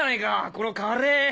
このカレー！